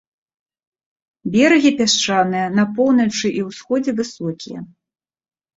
Берагі пясчаныя, на поўначы і ўсходзе высокія.